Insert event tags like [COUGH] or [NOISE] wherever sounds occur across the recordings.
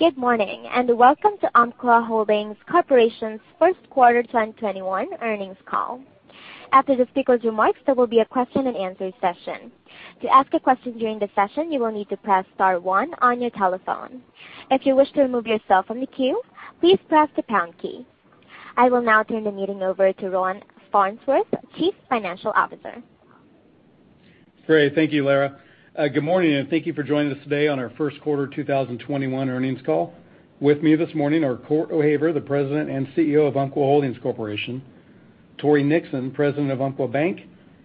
Good morning, and welcome to Umpqua Holdings Corporation's first quarter 2021 earnings call. After the speaker's remarks, there will be a question-and-answer session. To ask a question during the session, you will need to press star one on your telephone. If you wish to remove yourself from the queue, please press the pound key. I will now turn the meeting over to Ron Farnsworth, Chief Financial Officer. Great. Thank you, Lara. Good morning, thank you for joining us today on our first quarter 2021 earnings call. With me this morning are Cort O'Haver, the President and CEO of Umpqua Holdings Corporation, Tory Nixon, President of Umpqua Bank,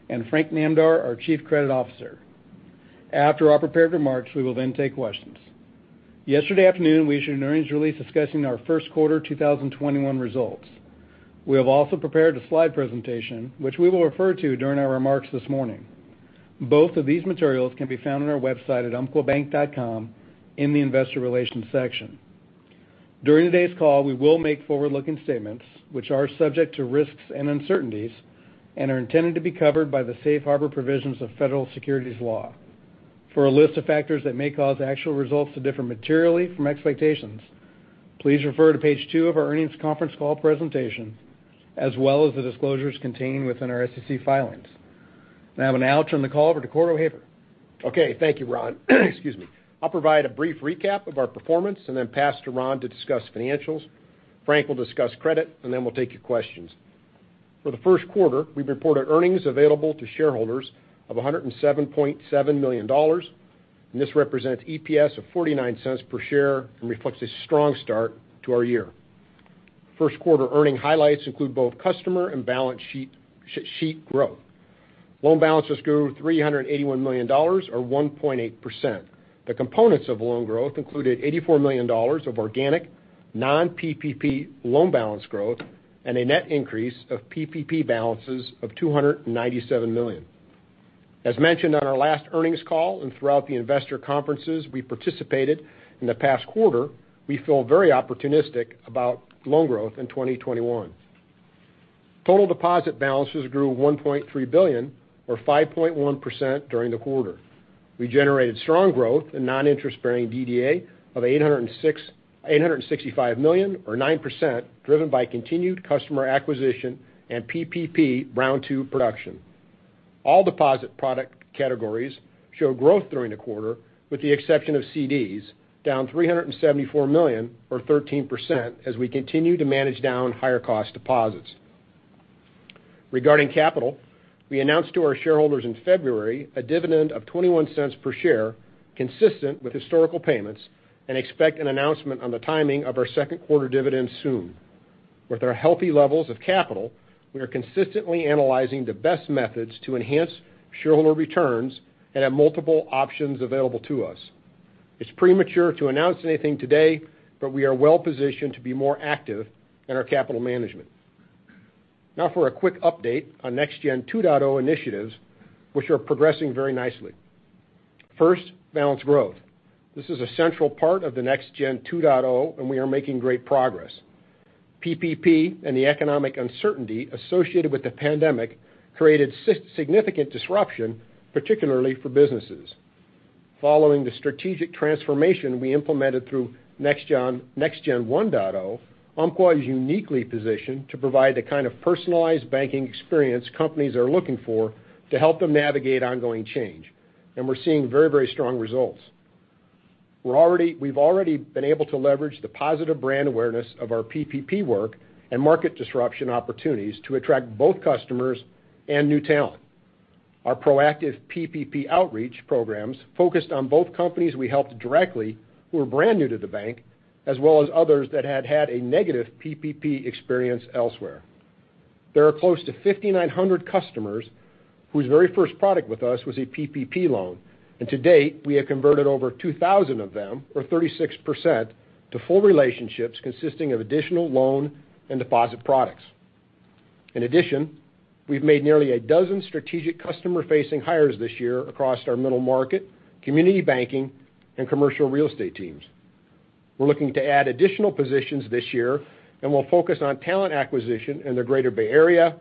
and Frank Namdar, our Chief Credit Officer. After our prepared remarks, we will take questions. Yesterday afternoon, we issued an earnings release discussing our first quarter 2021 results. We have also prepared a slide presentation, which we will refer to during our remarks this morning. Both of these materials can be found on our website at umpquabank.com in the investor relations section. During today's call, we will make forward-looking statements, which are subject to risks and uncertainties and are intended to be covered by the safe harbor provisions of federal securities law. For a list of factors that may cause actual results to differ materially from expectations, please refer to page two of our earnings conference call presentation, as well as the disclosures contained within our SEC filings. Now I'm going to turn the call over to Cort O'Haver. Okay, thank you, Ron. Excuse me. I'll provide a brief recap of our performance then pass to Ron to discuss financials. Frank will discuss credit, then we'll take your questions. For the first quarter, we've reported earnings available to shareholders of $107.7 million, and this represents EPS of $0.49 per share and reflects a strong start to our year. First quarter earnings highlights include both customer and balance sheet growth. Loan balances grew $381 million, or 1.8%. The components of loan growth included $84 million of organic non-PPP loan balance growth and a net increase of PPP balances of $297 million. As mentioned on our last earnings call and throughout the investor conferences we participated in the past quarter, we feel very opportunistic about loan growth in 2021. Total deposit balances grew $1.3 billion, or 5.1%, during the quarter. We generated strong growth in non-interest-bearing DDA of $865 million, or 9%, driven by continued customer acquisition and PPP round two production. All deposit product categories show growth during the quarter, with the exception of CDs, down $374 million, or 13%, as we continue to manage down higher-cost deposits. Regarding capital, we announced to our shareholders in February a dividend of $0.21 per share consistent with historical payments, and expect an announcement on the timing of our second quarter dividend soon. With our healthy levels of capital, we are consistently analyzing the best methods to enhance shareholder returns and have multiple options available to us. It's premature to announce anything today, we are well positioned to be more active in our capital management. Now for a quick update on Next Gen 2.0 initiatives, which are progressing very nicely. First, balanced growth. This is a central part of the Next Gen 2.0, and we are making great progress. PPP and the economic uncertainty associated with the pandemic created significant disruption, particularly for businesses. Following the strategic transformation we implemented through Next Gen 1.0, Umpqua is uniquely positioned to provide the kind of personalized banking experience companies are looking for to help them navigate ongoing change, and we're seeing very strong results. We've already been able to leverage the positive brand awareness of our PPP work and market disruption opportunities to attract both customers and new talent. Our proactive PPP outreach programs focused on both companies we helped directly who are brand new to the bank, as well as others that had had a negative PPP experience elsewhere. There are close to 5,900 customers whose very first product with us was a PPP loan. To date, we have converted over 2,000 of them, or 36%, to full relationships consisting of additional loan and deposit products. In addition, we've made nearly a dozen strategic customer-facing hires this year across our middle market, community banking, and commercial real estate teams. We're looking to add additional positions this year. We'll focus on talent acquisition in the greater Bay Area,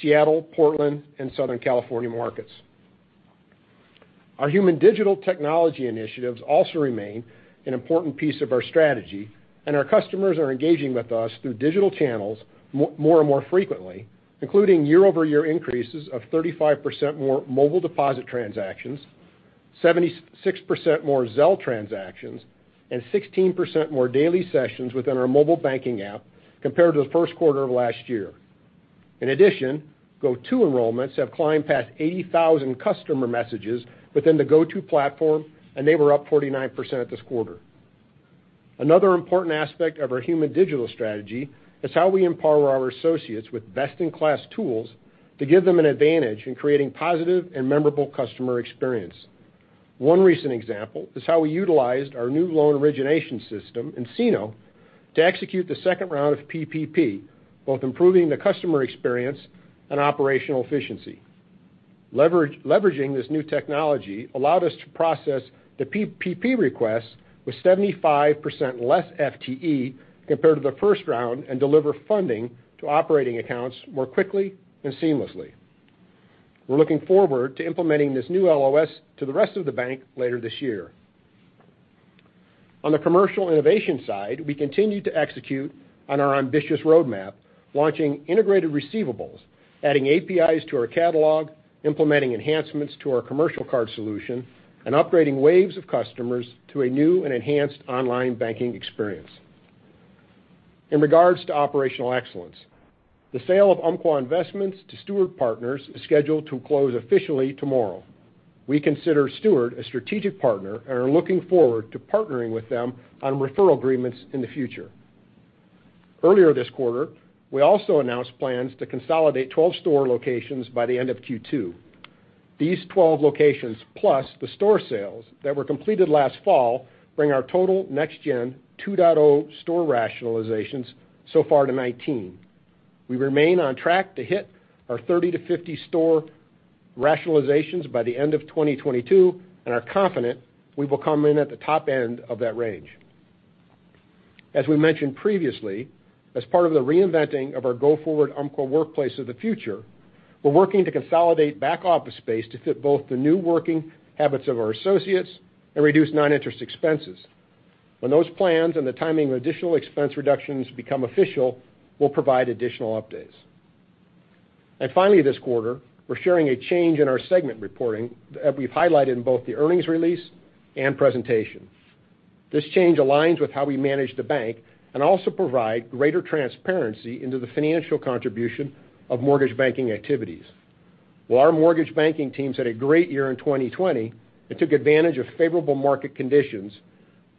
Seattle, Portland, and Southern California markets. Our human digital technology initiatives also remain an important piece of our strategy. Our customers are engaging with us through digital channels more and more frequently, including year-over-year increases of 35% more mobile deposit transactions, 76% more Zelle transactions, and 16% more daily sessions within our mobile banking app compared to the first quarter of last year. In addition, Go-To enrollments have climbed past 80,000 customer messages within the Go-To platform, and they were up 49% this quarter. Another important aspect of our human digital strategy is how we empower our associates with best-in-class tools to give them an advantage in creating positive and memorable customer experience. One recent example is how we utilized our new loan origination system, nCino, to execute the second round of PPP, both improving the customer experience and operational efficiency. Leveraging this new technology allowed us to process the PPP request with 75% less FTE compared to the first round and deliver funding to operating accounts more quickly and seamlessly. We're looking forward to implementing this new LOS to the rest of the bank later this year. On the commercial innovation side, we continue to execute on our ambitious roadmap, launching integrated receivables, adding APIs to our catalog, implementing enhancements to our commercial card solution, and upgrading waves of customers to a new and enhanced online banking experience. In regards to operational excellence, the sale of Umpqua Investments to Steward Partners is scheduled to close officially tomorrow. We consider Steward a strategic partner and are looking forward to partnering with them on referral agreements in the future. Earlier this quarter, we also announced plans to consolidate 12 store locations by the end of Q2. These 12 locations, plus the store sales that were completed last fall, bring our total Next Gen 2.0 store rationalizations so far to 19. We remain on track to hit our 30-50 store rationalizations by the end of 2022 and are confident we will come in at the top end of that range. As we mentioned previously, as part of the reinventing of our go-forward Umpqua workplace of the future, we're working to consolidate back office space to fit both the new working habits of our associates and reduce non-interest expenses. When those plans and the timing of additional expense reductions become official, we'll provide additional updates. Finally, this quarter, we're sharing a change in our segment reporting that we've highlighted in both the earnings release and presentation. This change aligns with how we manage the bank and also provide greater transparency into the financial contribution of mortgage banking activities. While our mortgage banking teams had a great year in 2020 and took advantage of favorable market conditions,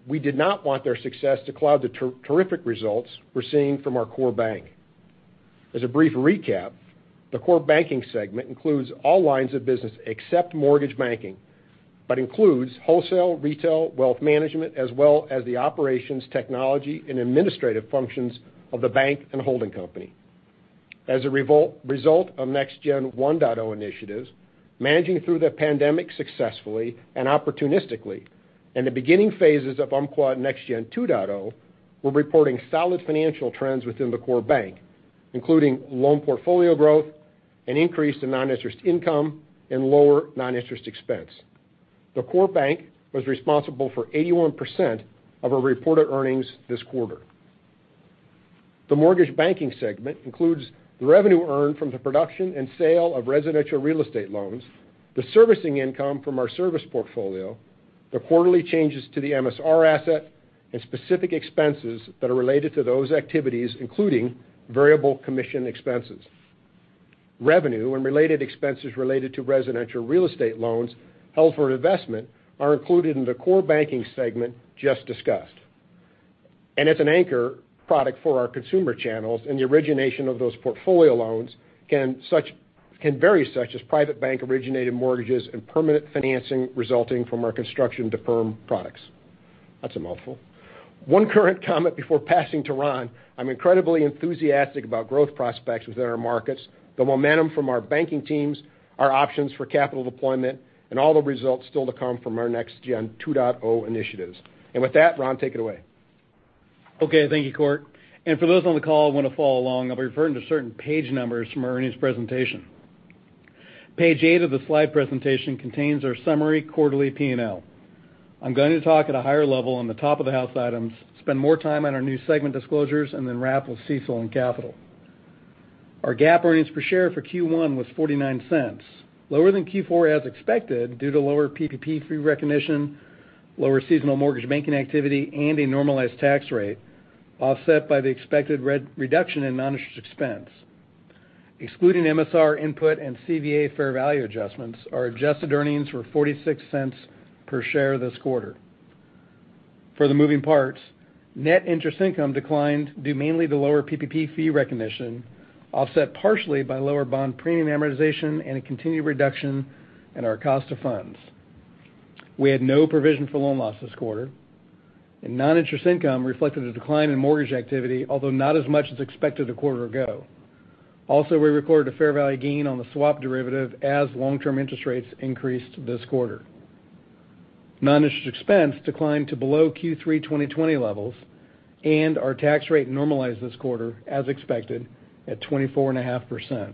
we did not want their success to cloud the terrific results we're seeing from our core bank. As a brief recap, the Core Banking segment includes all lines of business except Mortgage Banking, but includes wholesale, retail, wealth management, as well as the operations, technology, and administrative functions of the bank and holding company. As a result of Next Gen 1.0 initiatives, managing through the pandemic successfully and opportunistically, and the beginning phases of Umpqua Next Gen 2.0, we're reporting solid financial trends within the core bank, including loan portfolio growth, an increase in non-interest income, and lower non-interest expense. The core bank was responsible for 81% of our reported earnings this quarter. The Mortgage Banking segment includes the revenue earned from the production and sale of residential real estate loans, the servicing income from our service portfolio, the quarterly changes to the MSR asset, and specific expenses that are related to those activities, including variable commission expenses. Revenue and related expenses related to residential real estate loans held for investment are included in the Core Banking segment just discussed. As an anchor product for our consumer channels and the origination of those portfolio loans can vary, such as private bank-originated mortgages and permanent financing resulting from our construction-to-perm products. That's a mouthful. One current comment before passing to Ron. I'm incredibly enthusiastic about growth prospects within our markets, the momentum from our banking teams, our options for capital deployment, and all the results still to come from our Next Gen 2.0 initiatives. With that, Ron, take it away. Okay, thank you, Cort. For those on the call who want to follow along, I'll be referring to certain page numbers from our earnings presentation. Page eight of the slide presentation contains our summary quarterly P&L. I'm going to talk at a higher level on the top-of-the-house items, spend more time on our new segment disclosures, and then wrap with CECL and capital. Our GAAP earnings per share for Q1 was $0.49, lower than Q4 as expected due to lower PPP fee recognition, lower seasonal mortgage banking activity, and a normalized tax rate, offset by the expected reduction in non-interest expense. Excluding MSR input and CVA fair value adjustments, our adjusted earnings were $0.46 per share this quarter. For the moving parts, net interest income declined due mainly to lower PPP fee recognition, offset partially by lower bond premium amortization and a continued reduction in our cost of funds. We had no provision for loan loss this quarter, and non-interest income reflected a decline in mortgage activity, although not as much as expected a quarter ago. We recorded a fair value gain on the swap derivative as long-term interest rates increased this quarter. Non-interest expense declined to below Q3 2020 levels, and our tax rate normalized this quarter, as expected, at 24.5%.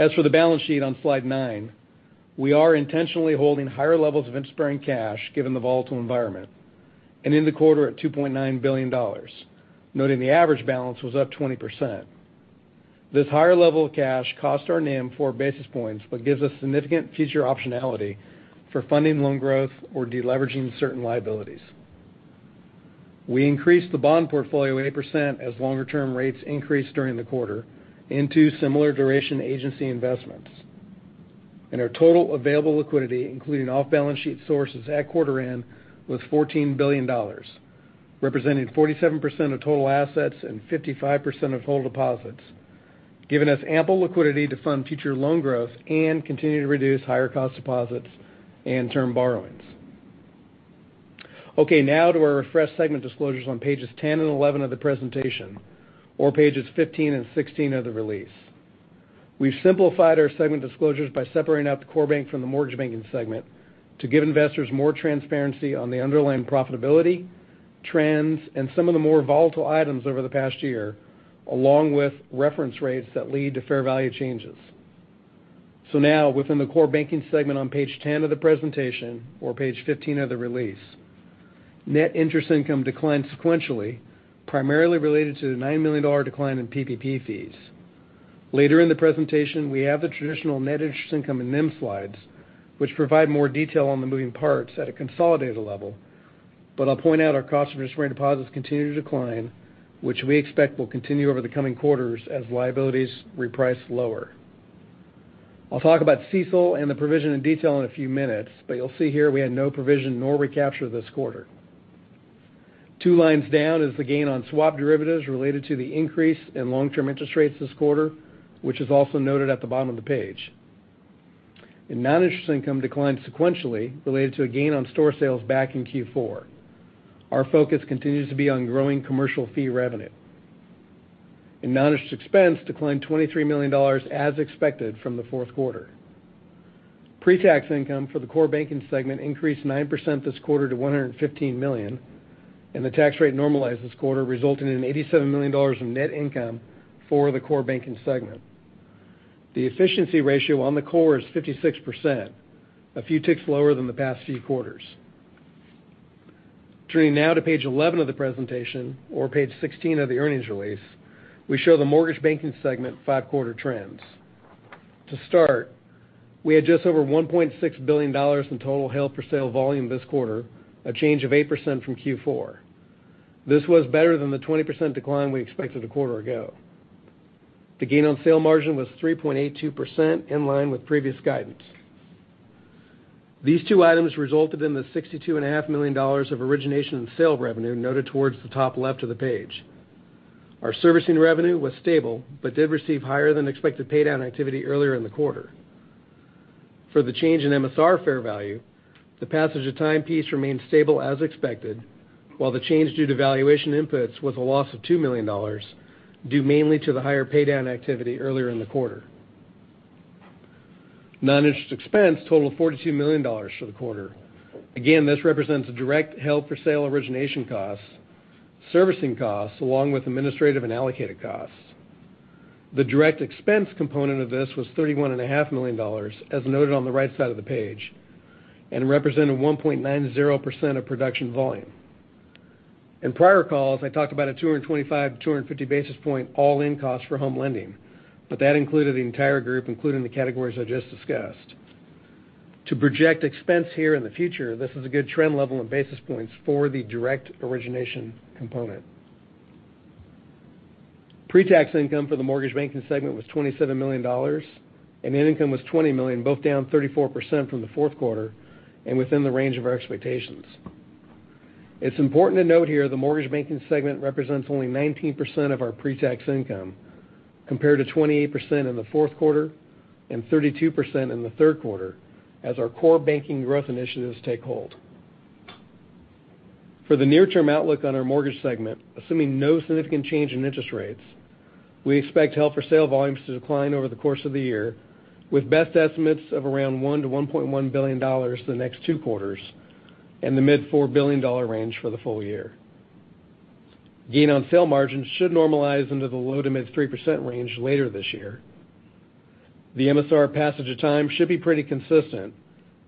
As for the balance sheet on slide nine, we are intentionally holding higher levels of interest-bearing cash, given the volatile environment, and in the quarter at $2.9 billion, noting the average balance was up 20%. This higher level of cash cost our NIM 4 basis points but gives us significant future optionality for funding loan growth or de-leveraging certain liabilities. We increased the bond portfolio 8% as longer-term rates increased during the quarter into similar duration agency investments. Our total available liquidity, including off-balance sheet sources at quarter end, was $14 billion, representing 47% of total assets and 55% of total deposits, giving us ample liquidity to fund future loan growth and continue to reduce higher-cost deposits and term borrowings. Okay, now to our refreshed segment disclosures on pages 10 and 11 of the presentation or pages 15 and 16 of the release. We've simplified our segment disclosures by separating out the core bank from the Mortgage Banking segment to give investors more transparency on the underlying profitability trends, and some of the more volatile items over the past year, along with reference rates that lead to fair value changes. Now within the Core Banking segment on page 10 of the presentation or page 15 of the release, net interest income declined sequentially, primarily related to the $9 million decline in PPP fees. Later in the presentation, we have the traditional net interest income and NIM slides, which provide more detail on the moving parts at a consolidated level. I'll point out our cost of interest-bearing deposits continue to decline, which we expect will continue over the coming quarters as liabilities reprice lower. I'll talk about CECL and the provision in detail in a few minutes, but you'll see here we had no provision nor recapture this quarter. Two lines down is the gain on swap derivatives related to the increase in long-term interest rates this quarter, which is also noted at the bottom of the page. Non-interest income declined sequentially related to a gain on store sales back in Q4. Our focus continues to be on growing commercial fee revenue. Non-interest expense declined $23 million as expected from the fourth quarter. Pre-tax income for the Core Banking segment increased 9% this quarter to $115 million, and the tax rate normalized this quarter, resulting in $87 million in net income for the Core Banking segment. The efficiency ratio on the core is 56%, a few ticks lower than the past few quarters. Turning now to page 11 of the presentation or page 16 of the earnings release, we show the Mortgage Banking segment five-quarter trends. To start, we had just over $1.6 billion in total held for sale volume this quarter, a change of 8% from Q4. This was better than the 20% decline we expected a quarter ago. The gain on sale margin was 3.82%, in line with previous guidance. These two items resulted in the $62.5 million of origination and sale revenue noted towards the top left of the page. Our servicing revenue was stable but did receive higher-than-expected paydown activity earlier in the quarter. For the change in MSR fair value, the passage of time piece remained stable as expected, while the change due to valuation inputs was a loss of $2 million, due mainly to the higher paydown activity earlier in the quarter. Non-interest expense totaled $42 million for the quarter. Again, this represents direct held for sale origination costs, servicing costs, along with administrative and allocated costs. The direct expense component of this was $31.5 million, as noted on the right side of the page, and represented 1.90% of production volume. In prior calls, I talked about a 225, 250-basis-point all-in cost for home lending, but that included the entire group, including the categories I just discussed. To project expense here in the future, this is a good trend level and basis points for the direct origination component. Pre-tax income for the Mortgage Banking segment was $27 million, and net income was $20 million, both down 34% from the fourth quarter and within the range of our expectations. It's important to note here the Mortgage Banking segment represents only 19% of our pre-tax income, compared to 28% in the fourth quarter and 32% in the third quarter as our Core Banking growth initiatives take hold. For the near-term outlook on our Mortgage segment, assuming no significant change in interest rates, we expect held for sale volumes to decline over the course of the year, with best estimates of around $1 billion-$1.1 billion for the next two quarters and the mid $4 billion range for the full year. Gain on sale margins should normalize into the low to mid-3% range later this year. The MSR passage of time should be pretty consistent,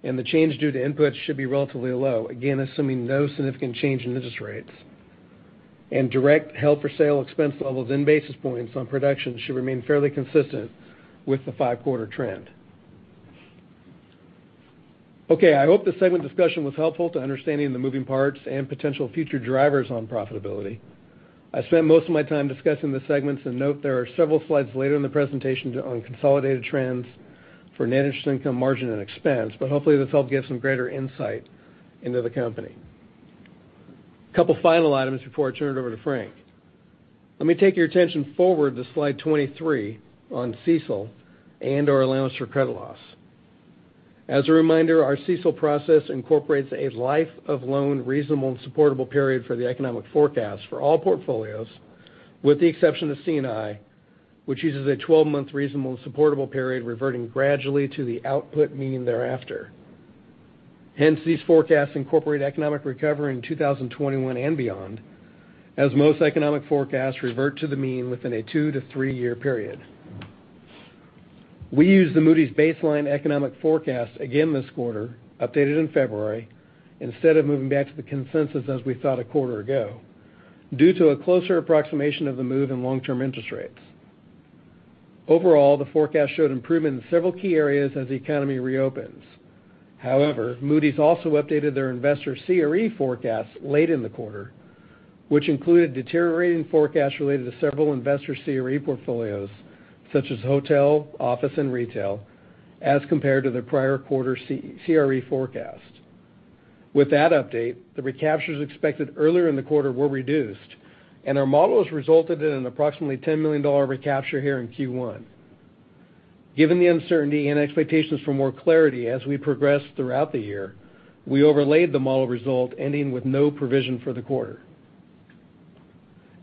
and the change due to inputs should be relatively low, again, assuming no significant change in interest rates. Direct held for sale expense levels and basis points on production should remain fairly consistent with the five-quarter trend. Okay, I hope this segment discussion was helpful to understanding the moving parts and potential future drivers on profitability. I spent most of my time discussing the segments. Note there are several slides later in the presentation on consolidated trends for net interest income margin and expense. Hopefully this helped give some greater insight into the company. Couple final items before I turn it over to Frank. Let me take your attention forward to slide 23 on CECL and our allowance for credit loss. As a reminder, our CECL process incorporates a life of loan reasonable and supportable period for the economic forecast for all portfolios, with the exception of C&I, which uses a 12-month reasonable and supportable period reverting gradually to the output mean thereafter. These forecasts incorporate economic recovery in 2021 and beyond, as most economic forecasts revert to the mean within a two- to three-year period. We use the Moody's baseline economic forecast again this quarter, updated in February, instead of moving back to the consensus as we thought a quarter ago, due to a closer approximation of the move in long-term interest rates. Overall, the forecast showed improvement in several key areas as the economy reopens. However, Moody's also updated their investor CRE forecast late in the quarter, which included deteriorating forecasts related to several investor CRE portfolios such as hotel, office, and retail, as compared to their prior-quarter CRE forecast. With that update, the recaptures expected earlier in the quarter were reduced, and our models resulted in an approximately $10 million recapture here in Q1. Given the uncertainty and expectations for more clarity as we progress throughout the year, we overlaid the model result ending with no provision for the quarter.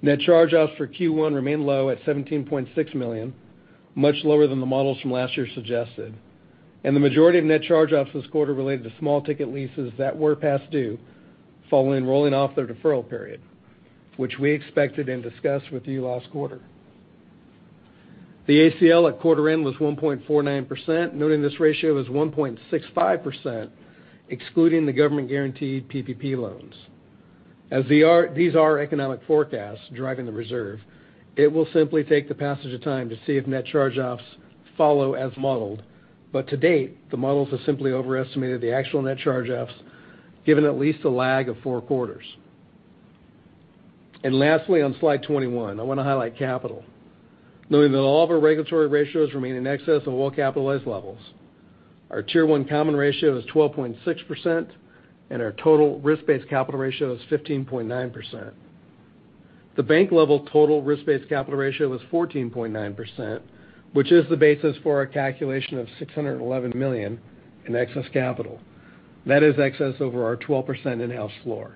Net charge-offs for Q1 remain low at $17.6 million, much lower than the models from last year suggested. The majority of net charge-offs this quarter related to small ticket leases that were past due, following rolling off their deferral period, which we expected and discussed with you last quarter. The ACL at quarter end was 1.49%, noting this ratio was 1.65%, excluding the government-guaranteed PPP loans. As these are economic forecasts driving the reserve, it will simply take the passage of time to see if net charge-offs follow as modeled. To date, the models have simply overestimated the actual net charge-offs, given at least a lag of four quarters. Lastly, on slide 21, I want to highlight capital. Knowing that all of our regulatory ratios remain in excess of well-capitalized levels. Our Tier 1 common ratio is 12.6%, and our total risk-based capital ratio is 15.9%. The bank-level total risk-based capital ratio was 14.9%, which is the basis for our calculation of $611 million in excess capital. That is excess over our 12% in-house floor.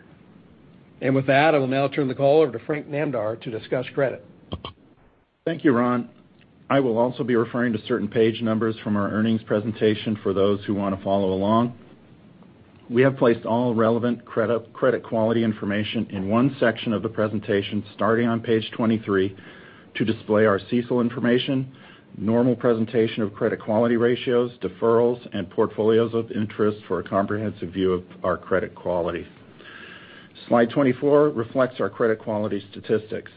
With that, I will now turn the call over to Frank Namdar to discuss credit. Thank you, Ron. I will also be referring to certain page numbers from our earnings presentation for those who want to follow along. We have placed all relevant credit quality information in one section of the presentation, starting on page 23, to display our CECL information, normal presentation of credit quality ratios, deferrals, and portfolios of interest for a comprehensive view of our credit quality. Slide 24 reflects our credit quality statistics.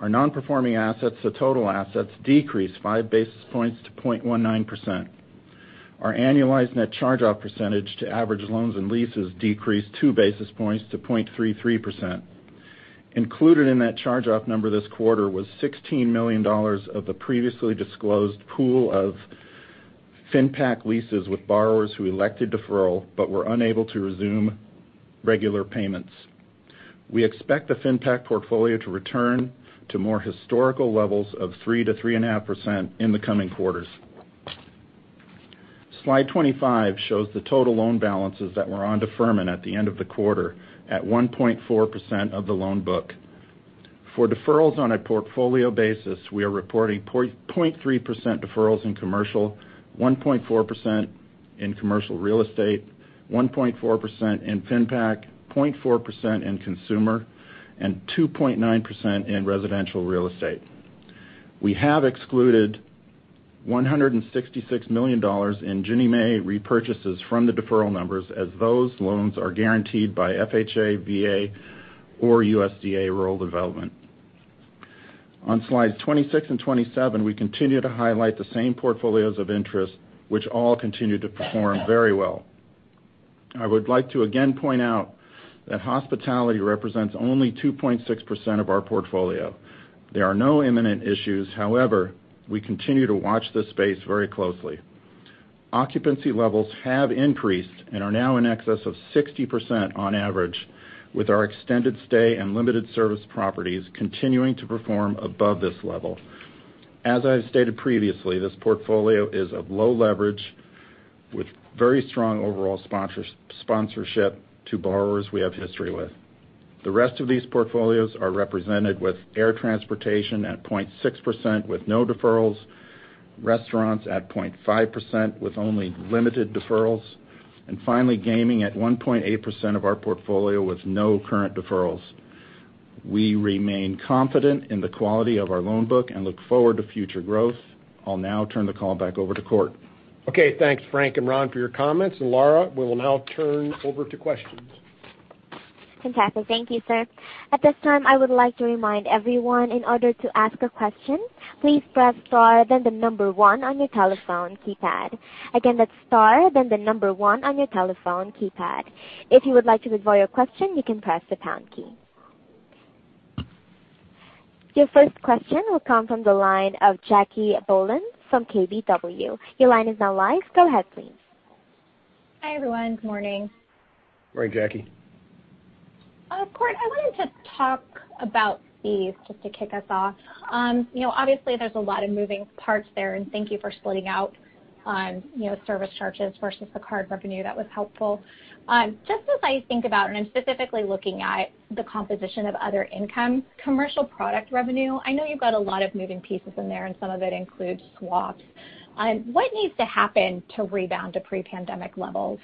Our non-performing assets to total assets decreased 5 basis points to 0.19%. Our annualized net charge-off percentage to average loans and leases decreased 2 basis points to 0.33%. Included in that charge-off number this quarter was $16 million of the previously disclosed pool of FinPac leases with borrowers who elected deferral but were unable to resume regular payments. We expect the FinPac portfolio to return to more historical levels of 3%-3.5% in the coming quarters. Slide 25 shows the total loan balances that were on deferment at the end of the quarter at 1.4% of the loan book. For deferrals on a portfolio basis, we are reporting 0.3% deferrals in commercial, 1.4% in commercial real estate, 1.4% in FinPac, 0.4% in consumer, and 2.9% in residential real estate. We have excluded $166 million in Ginnie Mae repurchases from the deferral numbers as those loans are guaranteed by FHA, VA, or USDA Rural Development. On slides 26 and 27, we continue to highlight the same portfolios of interest which all continue to perform very well. I would like to again point out that hospitality represents only 2.6% of our portfolio. There are no imminent issues. However, we continue to watch this space very closely. Occupancy levels have increased and are now in excess of 60% on average, with our extended stay and limited-service properties continuing to perform above this level. As I've stated previously, this portfolio is of low leverage with very strong overall sponsorship to borrowers we have history with. The rest of these portfolios are represented with air transportation at 0.6% with no deferrals, restaurants at 0.5% with only limited deferrals, and finally, gaming at 1.8% of our portfolio with no current deferrals. We remain confident in the quality of our loan book and look forward to future growth. I'll now turn the call back over to Cort. Okay, thanks, Frank and Ron, for your comments. Lara, we will now turn over to questions. Fantastic. Thank you, sir. At this time, I would like to remind everyone in order to ask a question, please press star then the number one on your telephone keypad. Again, that's star then the number one on your telephone keypad. If you would like to withdraw your question, you can press the pound key. Your first question will come from the line of Jackie Bohlen from KBW. Your line is now live. Go ahead, please. Hi, everyone. Good morning. Morning, Jackie. Cort, I wanted to talk about fees just to kick us off. There's a lot of moving parts there, and thank you for splitting out service charges versus the card revenue. That was helpful. Just as I think about, I'm specifically looking at the composition of other income, commercial product revenue, I know you've got a lot of moving pieces in there, and some of it includes swaps. What needs to happen to rebound to pre-pandemic levels?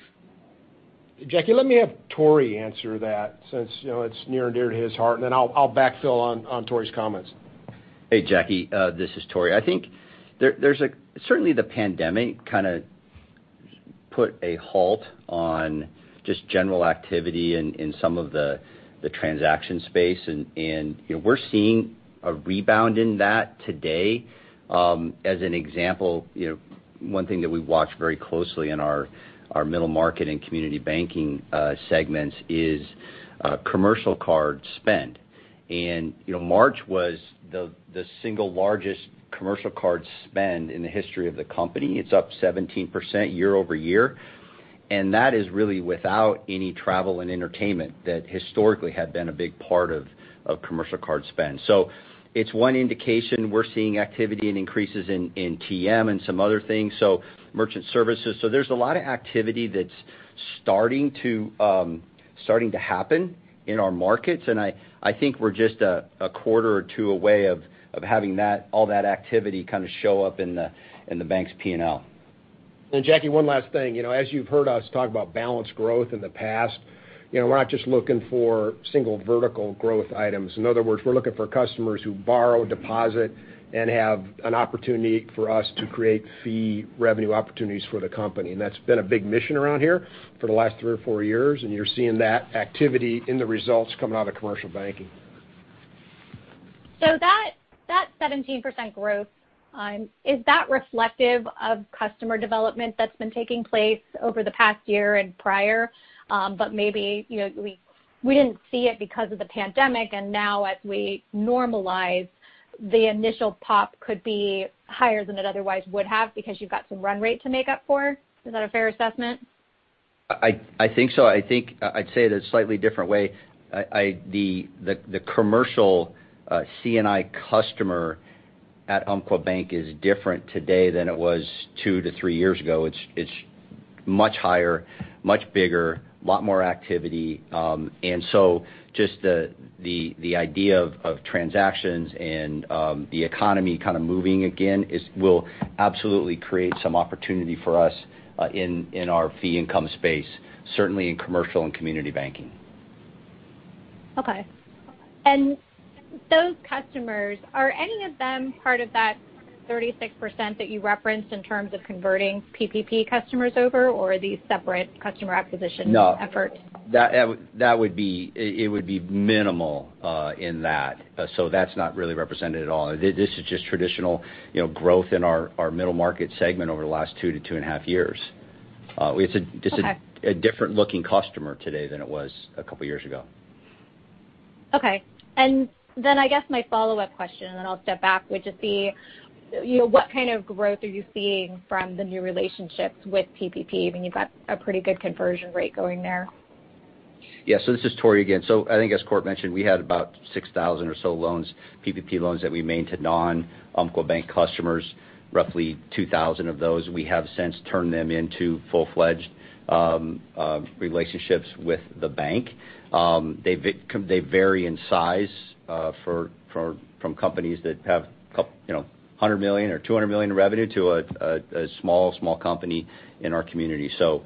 Jackie Bohlen, let me have Tory answer that since it's near and dear to his heart. Then I'll backfill on Tory's comments. Hey, Jackie. This is Tory. I think certainly the pandemic kind of put a halt on just general activity in some of the transaction space, and we're seeing a rebound in that today. As an example, one thing that we watch very closely in our middle market and community banking segments is commercial card spend. March was the single largest commercial card spend in the history of the company. It's up 17% year-over-year. That is really without any travel and entertainment that historically had been a big part of commercial card spend. It's one indication we're seeing activity and increases in TM and some other things. Merchant services. There's a lot of activity that's starting to happen in our markets. I think we're just a quarter or two away of having all that activity show up in the bank's P&L. Jackie, one last thing. As you've heard us talk about balanced growth in the past, we're not just looking for single vertical growth items. In other words, we're looking for customers who borrow, deposit, and have an opportunity for us to create fee revenue opportunities for the company. That's been a big mission around here for the last three or four years, and you're seeing that activity in the results coming out of commercial banking. That 17% growth, is that reflective of customer development that's been taking place over the past year and prior? Maybe we didn't see it because of the pandemic, and now as we normalize, the initial pop could be higher than it otherwise would have because you've got some run rate to make up for. Is that a fair assessment? I think so. I'd say it a slightly different way. The commercial C&I customer at Umpqua Bank is different today than it was two to three years ago. It's much higher, much bigger, a lot more activity. Just the idea of transactions and the economy kind of moving again will absolutely create some opportunity for us in our fee income space, certainly in commercial and community banking. Okay. Those customers, are any of them part of that 36% that you referenced in terms of converting PPP customers over, or are these separate customer acquisition— No. Efforts? It would be minimal in that. That's not really represented at all. This is just traditional growth in our middle market segment over the last two to two and a half years. Okay. It's a different-looking customer today than it was a couple of years ago. Okay. I guess my follow-up question, and then I'll step back, would just be what kind of growth are you seeing from the new relationships with PPP? I mean, you've got a pretty good conversion rate going there. Yeah. This is Tory again. I think as Cort mentioned, we had about 6,000 or so loans, PPP loans that we made to non-Umpqua Bank customers. Roughly 2,000 of those, we have since turned them into full-fledged relationships with the bank. They vary in size from companies that have $100 million or $200 million in revenue to a small company in our community. Kind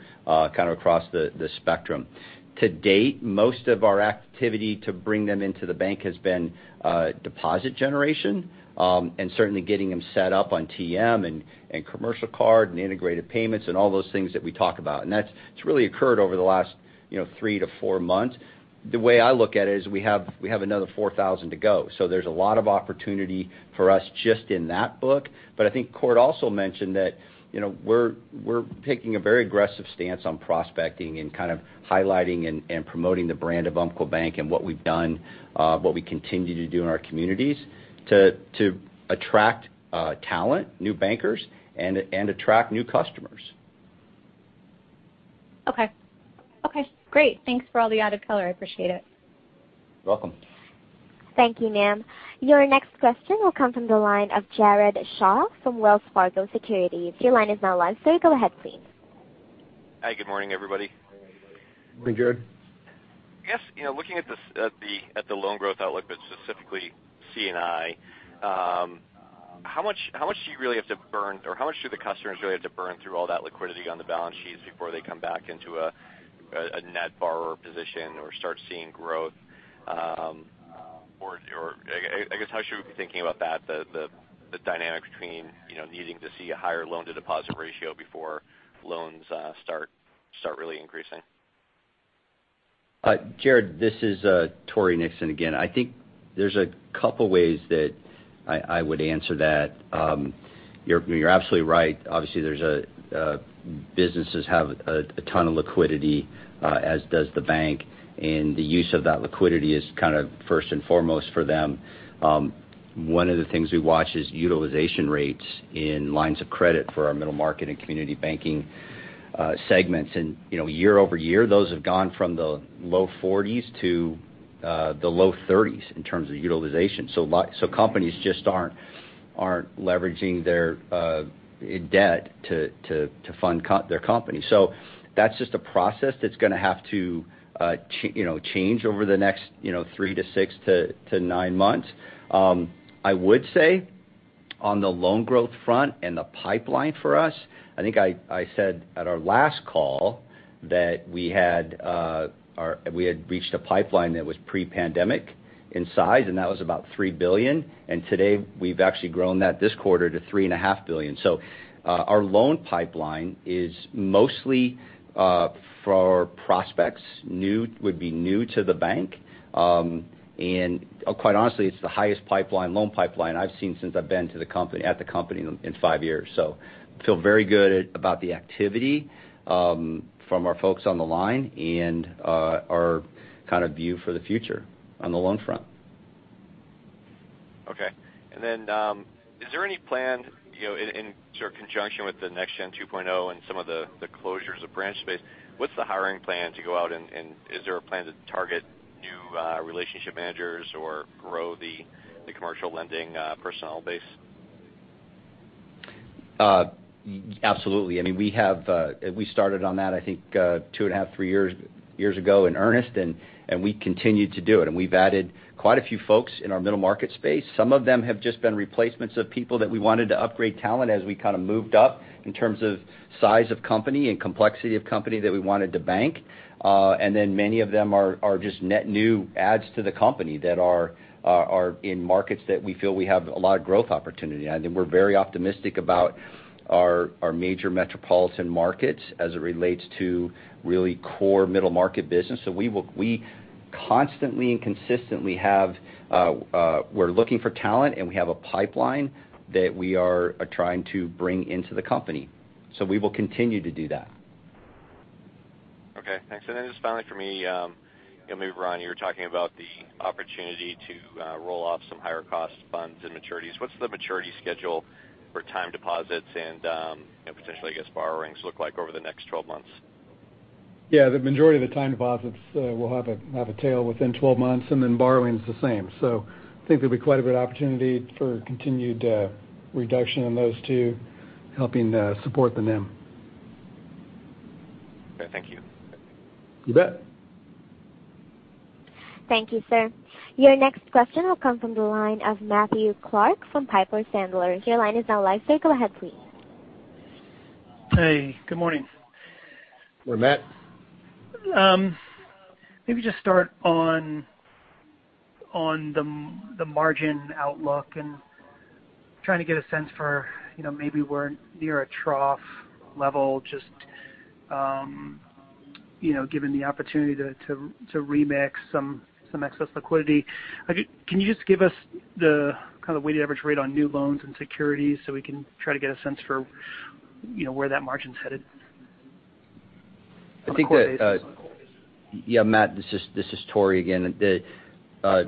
of across the spectrum. To date, most of our activity to bring them into the bank has been deposit generation and certainly getting them set up on TM and commercial card and integrated payments and all those things that we talk about. That's really occurred over the last three to four months. The way I look at it is we have another 4,000 to go. There's a lot of opportunity for us just in that book. I think Cort also mentioned that we're taking a very aggressive stance on prospecting and kind of highlighting and promoting the brand of Umpqua Bank and what we've done, what we continue to do in our communities to attract talent, new bankers, and attract new customers. Okay. Great. Thanks for all the added color. I appreciate it. You're welcome. Thank you, ma'am. Your next question will come from the line of Jared Shaw from Wells Fargo Securities. Your line is now live, so go ahead please. Hi. Good morning, everybody. Good morning, Jared. I guess, looking at the loan growth outlook, specifically C&I, how much do you really have to burn, or how much do the customers really have to burn through all that liquidity on the balance sheets before they come back into a net borrower position or start seeing growth? I guess, how should we be thinking about that, the dynamics between needing to see a higher loan-to-deposit ratio before loans start really increasing? Jared, this is Tory Nixon again. I think there's a couple ways that I would answer that. You're absolutely right. Obviously, businesses have a ton of liquidity, as does the bank, and the use of that liquidity is kind of first and foremost for them. One of the things we watch is utilization rates in lines of credit for our middle market and community banking segments. Year-over-year, those have gone from the low 40s to the low 30s in terms of utilization. Companies just aren't leveraging their debt to fund their company. That's just a process that's going to have to change over the next three to six to nine months. I would say on the loan growth front and the pipeline for us, I think I said at our last call that we had reached a pipeline that was pre-pandemic in size, and that was about $3 billion. Today, we've actually grown that this quarter to $3.5 billion. Our loan pipeline is mostly for prospects, would be new to the bank. Quite honestly, it's the highest loan pipeline I've seen since I've been at the company in five years. Feel very good about the activity from our folks on the line and our kind of view for the future on the loan front. Okay. Is there any plan in conjunction with the Next Gen 2.0 and some of the closures of branch space, what's the hiring plan to go out, and is there a plan to target new relationship managers or grow the commercial lending personnel base? Absolutely. We started on that, I think, two and a half, three years ago in earnest. We continued to do it. We've added quite a few folks in our middle market space. Some of them have just been replacements of people that we wanted to upgrade talent as we moved up in terms of size of company and complexity of company that we wanted to bank. Many of them are just net new adds to the company that are in markets that we feel we have a lot of growth opportunity. We're very optimistic about our major metropolitan markets as it relates to really core middle market business. We constantly and consistently we're looking for talent, and we have a pipeline that we are trying to bring into the company. We will continue to do that. Okay, thanks. Just finally from me, maybe Ron, you were talking about the opportunity to roll off some higher-cost funds and maturities. What's the maturity schedule for time deposits and potentially, I guess, borrowings look like over the next 12 months? Yeah. The majority of the time deposits will have a tail within 12 months, and then borrowings the same. I think there'll be quite a bit of opportunity for continued reduction in those two helping support the NIM. Okay, thank you. You bet. Thank you, sir. Your next question will come from the line of Matthew Clark from Piper Sandler. Your line is now live, sir. Go ahead, please. Hey, good morning. Good morning, Matt. Maybe just start on the margin outlook and trying to get a sense for maybe we're near a trough level, just given the opportunity to remix some excess liquidity. Can you just give us the kind of weighted average rate on new loans and securities so we can try to get a sense for where that margin's headed? [CROSSTALK] Yeah, Matt, this is Tory again. The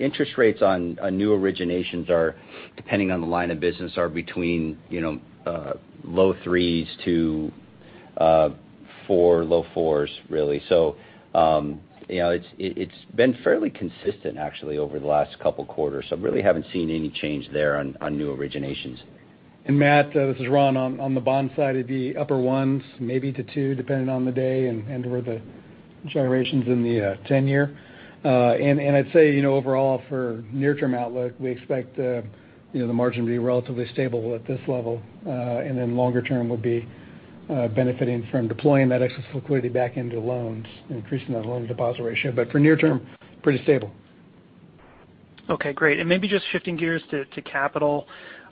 interest rates on new originations are depending on the line of business are between low 3s to low 4s, really. It's been fairly consistent actually over the last couple of quarters. Really haven't seen any change there on new originations. Matt, this is Ron. On the bond side, it'd be upper 1s maybe to 2 depending on the day and where the generations in the 10-year. I'd say, overall for near-term outlook, we expect the margin to be relatively stable at this level. Then longer term would be benefiting from deploying that excess liquidity back into loans, increasing that loan-deposit ratio. For near term, pretty stable. Okay, great. Maybe just shifting gears to capital.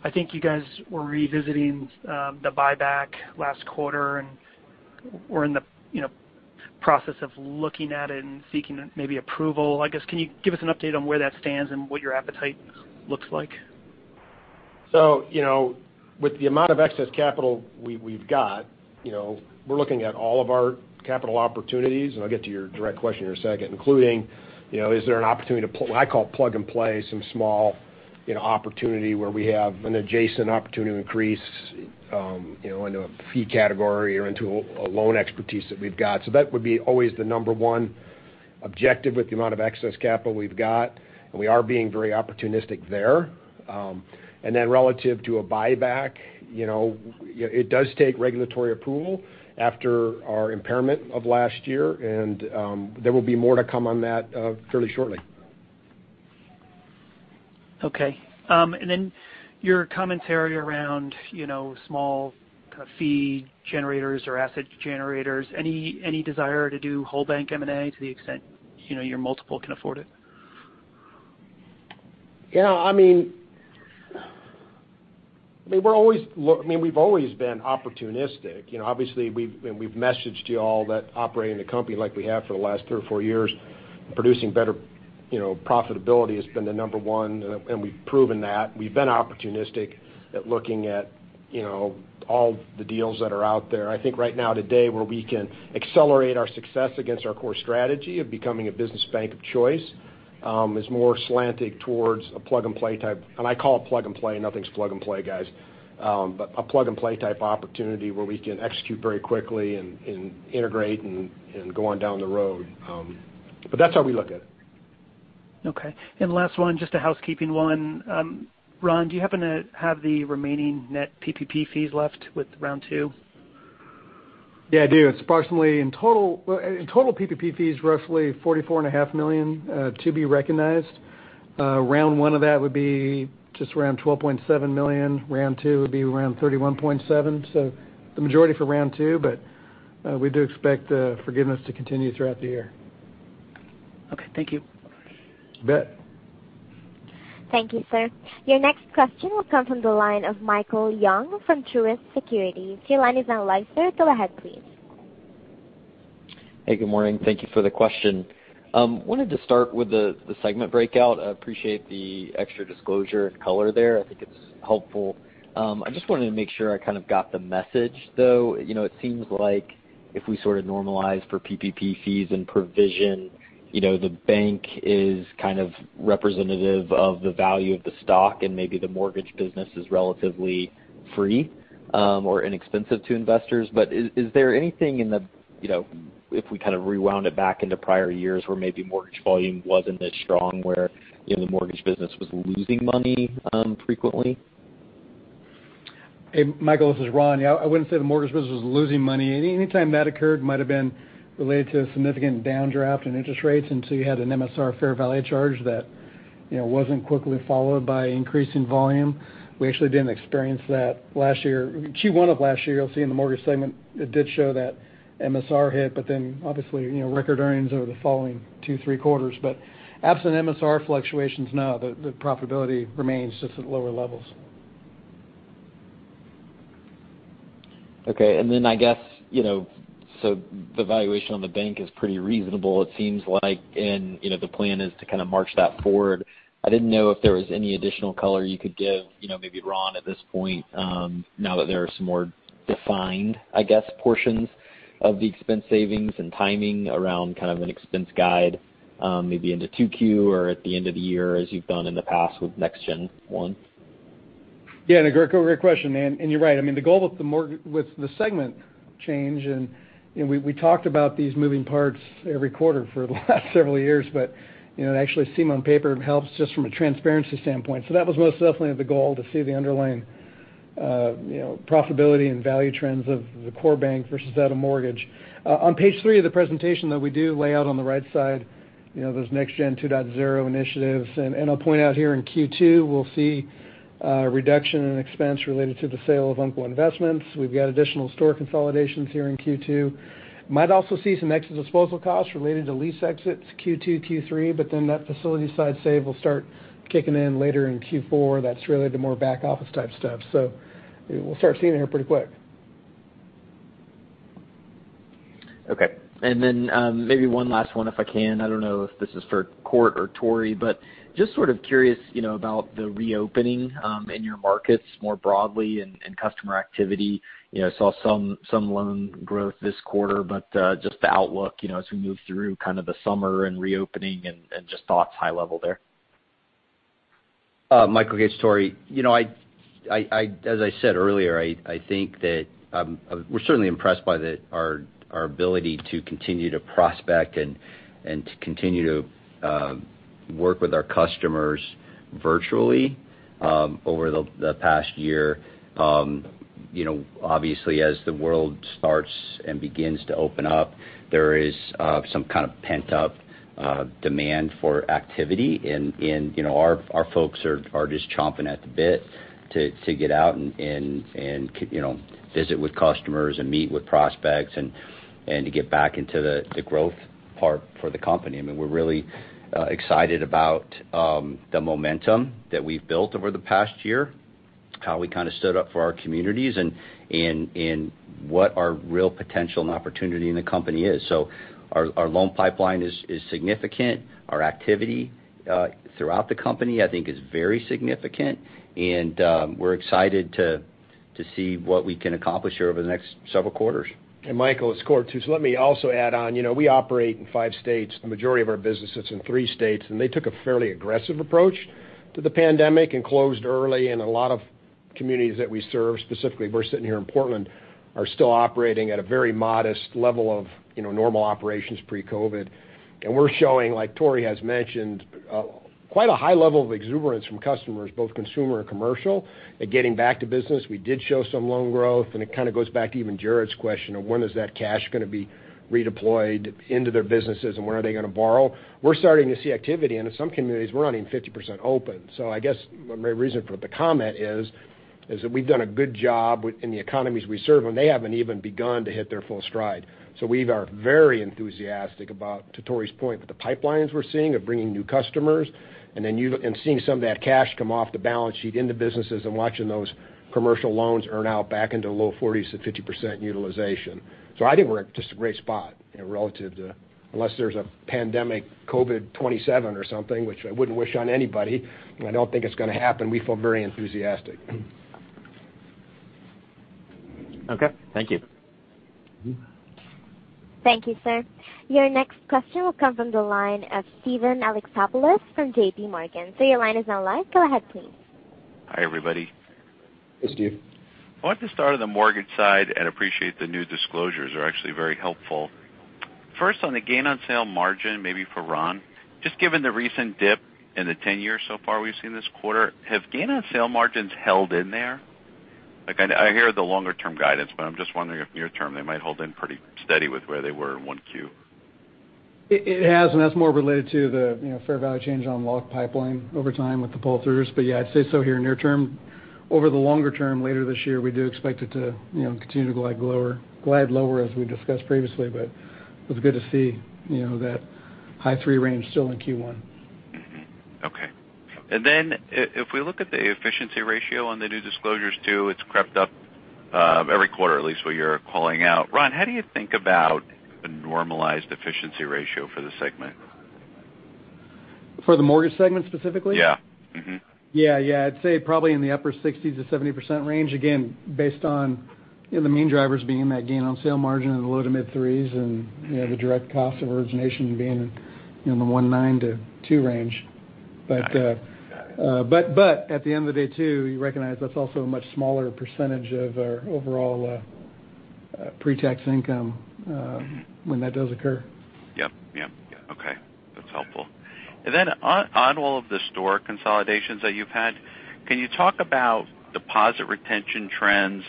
I think you guys were revisiting the buyback last quarter and were in the process of looking at it and seeking maybe approval. I guess, can you give us an update on where that stands and what your appetite looks like? With the amount of excess capital we've got, we're looking at all of our capital opportunities, and I'll get to your direct question in a second, including, is there an opportunity to, I call plug and play some small opportunity where we have an adjacent opportunity to increase into a fee category or into a loan expertise that we've got. That would be always the number one objective with the amount of excess capital we've got, and we are being very opportunistic there. Then relative to a buyback, it does take regulatory approval after our impairment of last year. There will be more to come on that fairly shortly. Okay. Your commentary around small fee generators or asset generators, any desire to do whole bank M&A to the extent your multiple can afford it? We've always been opportunistic. Obviously, we've messaged you all that operating the company like we have for the last three or four years, producing better profitability has been the number one, and we've proven that. We've been opportunistic at looking at all the deals that are out there. I think right now today where we can accelerate our success against our core strategy of becoming a business bank of choice is more slanted towards a plug-and-play type. I call it plug and play. Nothing's plug and play, guys. A plug-and-play-type opportunity where we can execute very quickly and integrate and go on down the road. That's how we look at it. Okay. Last one, just a housekeeping one. Ron, do you happen to have the remaining net PPP fees left with round two? Yeah, I do. It's approximately in total PPP fees, roughly $44.5 million to be recognized. Round one of that would be just around $12.7 million. Round two would be around $31.7 million. The majority for Round two, but we do expect forgiveness to continue throughout the year. Okay. Thank you. You bet. Thank you, sir. Your next question will come from the line of Michael Young from Truist Securities. Your line is now live, sir. Go ahead, please. Hey, good morning. Thank you for the question. Wanted to start with the segment breakout. I appreciate the extra disclosure and color there. I think it's helpful. I just wanted to make sure I kind of got the message, though. It seems like if we sort of normalize for PPP fees and provision, the bank is kind of representative of the value of the stock and maybe the mortgage business is relatively free or inexpensive to investors. Is there anything if we kind of rewound it back into prior years where maybe mortgage volume wasn't as strong, where the mortgage business was losing money frequently? Michael, this is Ron. Yeah, I wouldn't say the mortgage business was losing money. Anytime that occurred might've been related to a significant downdraft in interest rates until you had an MSR fair value charge that wasn't quickly followed by increasing volume. We actually didn't experience that last year. Q1 of last year, you'll see in the Mortgage segment, it did show that MSR hit, but then obviously, record earnings over the following two, three quarters. Absent MSR fluctuations, no, the profitability remains just at lower levels. Okay. I guess, the valuation on the bank is pretty reasonable it seems like, and the plan is to kind of march that forward. I didn't know if there was any additional color you could give, maybe Ron, at this point, now that there are some more defined, I guess, portions of the expense savings and timing around kind of an expense guide, maybe into 2Q or at the end of the year as you've done in the past with Next Gen 1.0. Yeah. Great question, and you're right. The goal with the segment change, and we talked about these moving parts every quarter for the last several years. It actually seem on paper it helps just from a transparency standpoint. That was most definitely the goal, to see the underlying profitability and value trends of the core bank versus out of mortgage. On page three of the presentation, though, we do lay out on the right side, those Next Gen 2.0 initiatives. I'll point out here in Q2, we'll see a reduction in expense related to the sale of Umpqua Investments. We've got additional store consolidations here in Q2. Might also see some exit disposal costs related to lease exits Q2, Q3, but then that facility side save will start kicking in later in Q4. That's really the more back office type stuff. We'll start seeing it here pretty quick. Okay. Maybe one last one if I can. I don't know if this is for Cort or Tory, just sort of curious about the reopening in your markets more broadly and customer activity. Saw some loan growth this quarter, just the outlook as we move through kind of the summer and reopening and just thoughts high level there. Michael, hey, it's Tory. As I said earlier, I think that we're certainly impressed by our ability to continue to prospect and to continue to work with our customers virtually over the past year. Obviously, as the world starts and begins to open up, there is some kind of pent-up demand for activity, and our folks are just chomping at the bit to get out and visit with customers and meet with prospects and to get back into the growth part for the company. We're really excited about the momentum that we've built over the past year, how we kind of stood up for our communities, and what our real potential and opportunity in the company is. Our loan pipeline is significant. Our activity throughout the company, I think, is very significant, and we're excited to see what we can accomplish here over the next several quarters. Michael, it's Cort. Let me also add on. We operate in five states. The majority of our business is in three states, and they took a fairly aggressive approach to the pandemic and closed early in a lot of communities that we serve. Specifically, we're sitting here in Portland, are still operating at a very modest level of normal operations pre-COVID. We're showing, like Tory has mentioned, quite a high level of exuberance from customers, both consumer and commercial, at getting back to business. We did show some loan growth, and it kind of goes back to even Jared's question of when is that cash going to be redeployed into their businesses and where are they going to borrow? We're starting to see activity, and in some communities, we're running 50% open. I guess my reason for the comment is that we've done a good job in the economies we serve, and they haven't even begun to hit their full stride. We are very enthusiastic about, to Tory's point, the pipelines we're seeing of bringing new customers and seeing some of that cash come off the balance sheet into businesses and watching those commercial loans earn out back into the low 40s and 50% utilization. I think we're at just a great spot relative to, unless there's a pandemic COVID-27 or something, which I wouldn't wish on anybody, and I don't think it's going to happen. We feel very enthusiastic. Okay. Thank you. Thank you, sir. Your next question will come from the line of Steven Alexopoulos from JPMorgan. Your line is now live. Go ahead, please. Hi, everybody. Hey, Steve. I wanted to start on the mortgage side and appreciate the new disclosures. They're actually very helpful. First, on the gain on sale margin, maybe for Ron, just given the recent dip in the 10-year so far we've seen this quarter, have gain on sale margins held in there? I hear the longer-term guidance, but I'm just wondering if near term they might hold in pretty steady with where they were in 1Q. It has, that's more related to the fair value change on lock pipeline over time with the pull-throughs. Yeah, I'd say so here near term. Over the longer term later this year, we do expect it to continue to glide lower as we discussed previously. It was good to see that high 3 range still in Q1. Okay. If we look at the efficiency ratio on the new disclosures too, it's crept up every quarter, at least what you're calling out. Ron, how do you think about a normalized efficiency ratio for the segment? For the mortgage segment specifically? Yeah. Mm-hmm. Yeah. I'd say probably in the upper 60s to 70% range. Again, based on the main drivers being that gain on sale margin in the low to mid 3s and the direct cost of origination being in the 1.9-2 range. At the end of the day too, you recognize that's also a much smaller percentage of our overall pre-tax income when that does occur. Yep. Okay. That's helpful. Then on all of the store consolidations that you've had, can you talk about deposit retention trends,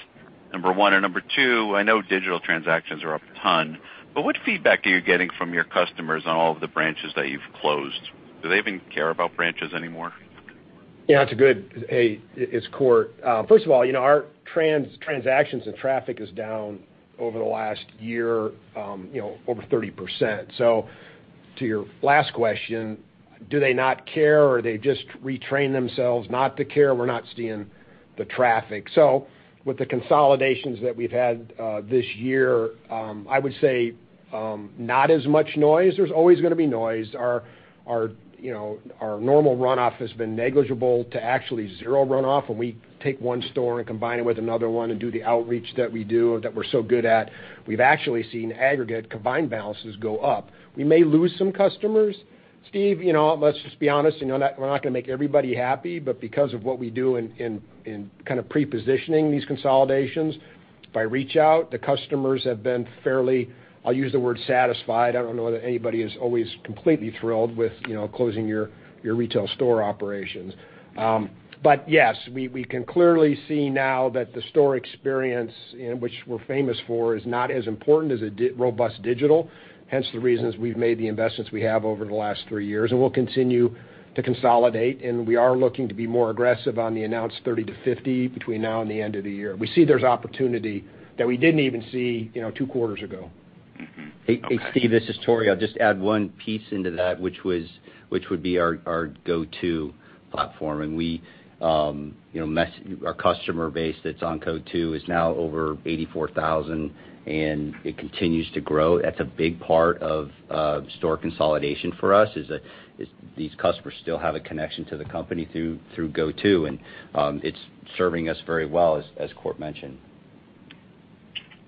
number one? Number two, I know digital transactions are up a ton, but what feedback are you getting from your customers on all of the branches that you've closed? Do they even care about branches anymore? Yeah, it's good. Hey, it's Cort. First of all, our transactions and traffic is down over the last year, over 30%. To your last question, do they not care, or they just retrain themselves not to care? We're not seeing the traffic. With the consolidations that we've had this year, I would say, not as much noise. There's always going to be noise. Our normal runoff has been negligible to actually zero runoff. When we take one store and combine it with another one and do the outreach that we do and that we're so good at, we've actually seen aggregate combined balances go up. We may lose some customers. Steve, let's just be honest, we're not going to make everybody happy. Because of what we do in kind of pre-positioning these consolidations by reach out, the customers have been fairly, I'll use the word satisfied. I don't know that anybody is always completely thrilled with closing your retail store operations. Yes, we can clearly see now that the store experience in which we're famous for is not as important as a robust digital, hence the reasons we've made the investments we have over the last three years. We'll continue to consolidate, and we are looking to be more aggressive on the announced 30-50 between now and the end of the year. We see there's opportunity that we didn't even see two quarters ago. Hey, Steve, this is Tory. I'll just add one piece into that, which would be our Go-To platform. Our customer base that's on Go-To is now over 84,000, it continues to grow. That's a big part of store consolidation for us, is these customers still have a connection to the company through Go-To, and it's serving us very well, as Cort mentioned.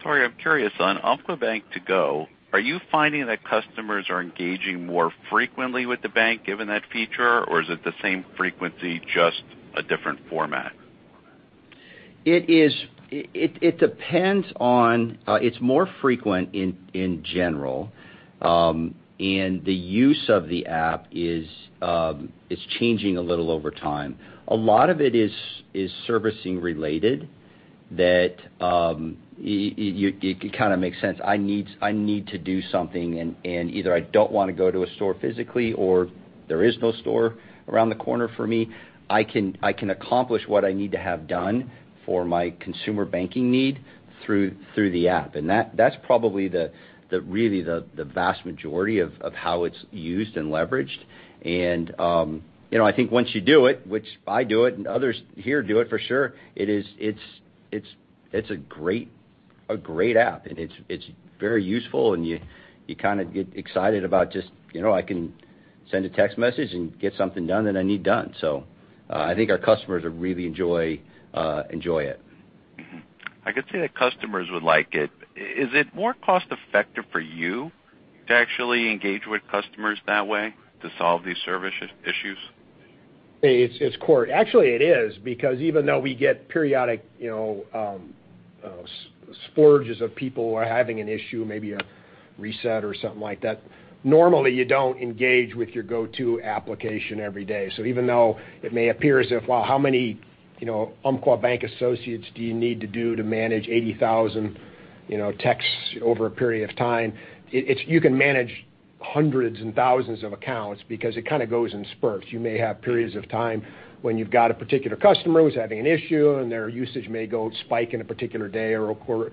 Tory, I'm curious. On Umpqua Bank Go-To, are you finding that customers are engaging more frequently with the bank given that feature? Is it the same frequency, just a different format? It's more frequent in general. The use of the app is changing a little over time. A lot of it is servicing related that it kind of makes sense. I need to do something and either I don't want to go to a store physically or there is no store around the corner for me. I can accomplish what I need to have done for my consumer banking need through the app. That's probably really the vast majority of how it's used and leveraged. I think once you do it, which I do it, and others here do it for sure, it's a great app. It's very useful, and you kind of get excited about just, I can send a text message and get something done that I need done. I think our customers really enjoy it. Mm-hmm. I could say that customers would like it. Is it more cost-effective for you to actually engage with customers that way to solve these service issues? Hey, it's Cort. Actually, it is, because even though we get periodic splurges of people who are having an issue, maybe a reset or something like that. Normally, you don't engage with your Go-To application every day. Even though it may appear as if, well, how many Umpqua Bank associates do you need to do to manage 80,000 texts over a period of time? You can manage hundreds and thousands of accounts because it kind of goes in spurts. You may have periods of time when you've got a particular customer who's having an issue, and their usage may go spike in a particular day or a quarter.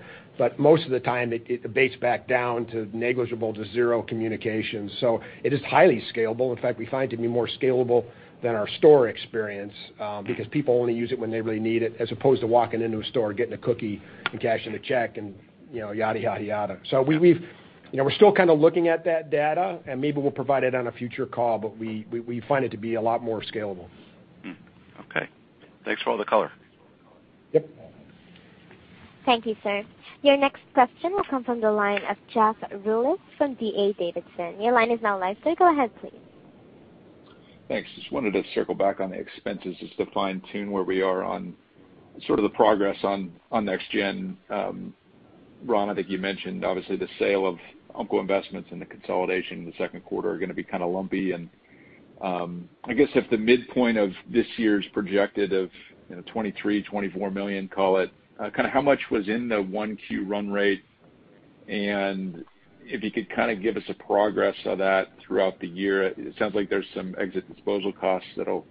Most of the time, it abates back down to negligible to zero communication. It is highly scalable. In fact, we find it to be more scalable than our store experience because people only use it when they really need it, as opposed to walking into a store and getting a cookie and cashing a check and yada, yada. We're still kind of looking at that data, and maybe we'll provide it on a future call, but we find it to be a lot more scalable. Okay. Thanks for all the color. Yep. Thank you, sir. Your next question will come from the line of Jeff Rulis from D.A. Davidson. Your line is now live, sir. Go ahead, please. Thanks. Just wanted to circle back on the expenses just to fine-tune where we are on sort of the progress on Next Gen. Ron, I think you mentioned obviously the sale of Umpqua Investments and the consolidation in the second quarter are going to be kind of lumpy. I guess if the midpoint of this year's projected of $23 million, $24 million, call it, kind of how much was in the 1Q run rate? If you could kind of give us a progress of that throughout the year. It sounds like there's some exit disposal costs that'll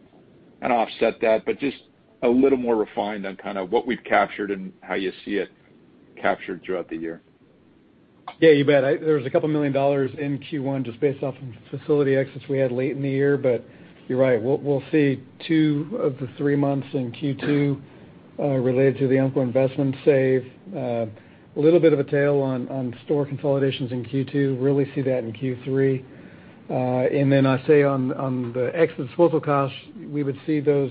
kind of offset that, but just a little more refined on kind of what we've captured and how you see it captured throughout the year. Yeah, you bet. There was a couple million dollars in Q1 just based off of facility exits we had late in the year. You're right. We'll see two of the three months in Q2 related to the Umpqua Investments save. A little bit of a tail on store consolidations in Q2. Really see that in Q3. I say on the exit disposal costs, we would see those.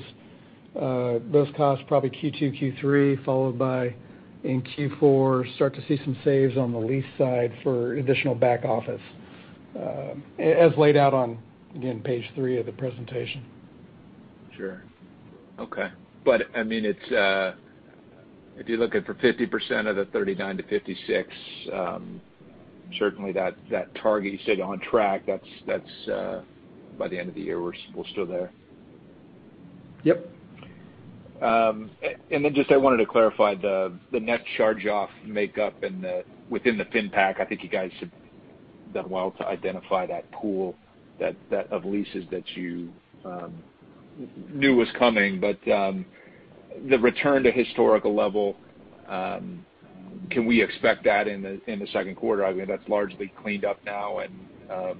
Those costs probably Q2, Q3, followed by in Q4, start to see some saves on the lease side for additional back office. As laid out on, again, page three of the presentation. Sure. Okay. If you're looking for 50% of the $39 million-$56 million, certainly that target you said on track, that's by the end of the year, we're still there. Yep. Just I wanted to clarify the net charge-off makeup within the FinPac, I think you guys have done well to identify that pool of leases that you knew was coming. The return to historical level, can we expect that in the second quarter? Obviously, that's largely cleaned up now, and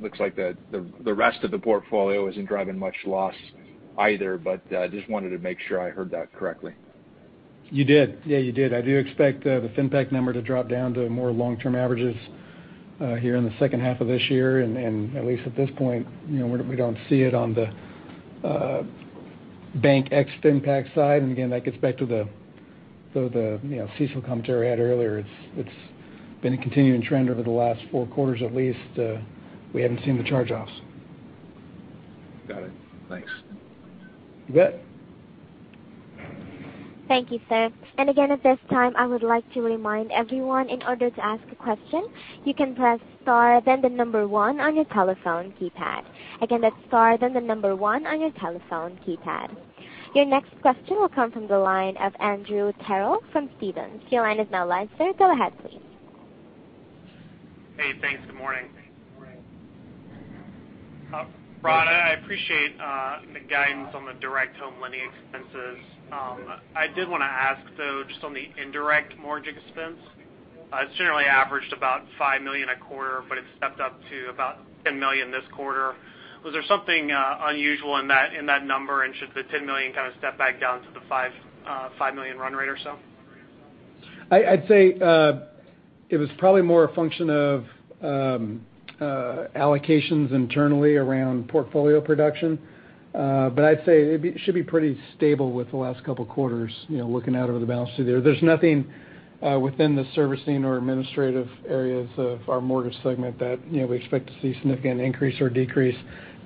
looks like the rest of the portfolio isn't driving much loss either. Just wanted to make sure I heard that correctly. You did. Yeah, you did. I do expect the FinPac number to drop down to more long-term averages here in the second half of this year. At least at this point, we don't see it on the bank ex-FinPac side. Again, that gets back to the CECL commentary I had earlier. It's been a continuing trend over the last four quarters at least. We haven't seen the charge-offs. Got it. Thanks. You bet. Thank you, sir. Again, at this time, I would like to remind everyone, in order to ask a question, you can press star then the number one on your telephone keypad. Again, that's star then the number one on your telephone keypad. Your next question will come from the line of Andrew Terrell from Stephens. Your line is now live, sir. Go ahead, please. Hey, thanks. Good morning. Ron, I appreciate the guidance on the direct home lending expenses. I did want to ask, though, just on the indirect mortgage expense. It's generally averaged about $5 million a quarter, but it stepped up to about $10 million this quarter. Was there something unusual in that number? Should the $10 million kind of step back down to the $5 million run rate or so? I'd say it was probably more a function of allocations internally around portfolio production. I'd say it should be pretty stable with the last couple of quarters, looking out over the balance sheet there. There's nothing within the servicing or administrative areas of our Mortgage segment that we expect to see significant increase or decrease.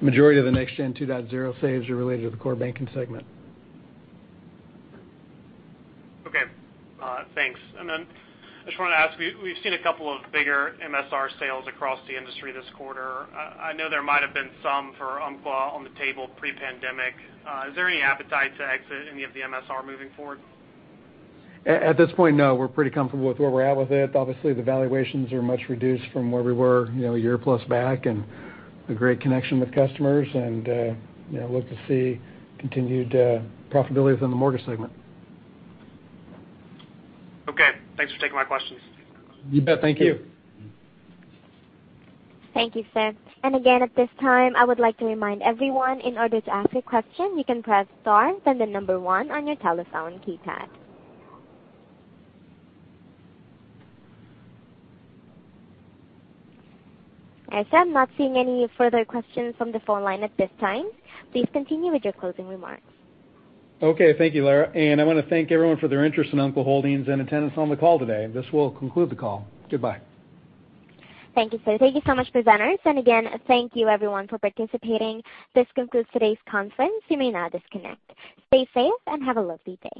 Majority of the Next Gen 2.0 saves are related to the Core Banking segment. Okay. Thanks. I just wanted to ask, we've seen a couple of bigger MSR sales across the industry this quarter. I know there might have been some for Umpqua on the table pre-pandemic. Is there any appetite to exit any of the MSR moving forward? At this point, no. We're pretty comfortable with where we're at with it. Obviously, the valuations are much reduced from where we were a year plus back, and a great connection with customers, and look to see continued profitability within the Mortgage segment. Okay. Thanks for taking my questions. You bet. Thank you. Thank you, sir. Again, at this time, I would like to remind everyone, in order to ask a question, you can press star then number one on your telephone keypad. I'm not seeing any further questions from the phone line at this time, please continue with your closing remarks. Okay. Thank you, Lara. I want to thank everyone for their interest in Umpqua Holdings and attendance on the call today. This will conclude the call. Goodbye. Thank you, sir. Thank you so much, presenters. Again, thank you everyone for participating. This concludes today's conference. You may now disconnect. Stay safe and have a lovely day.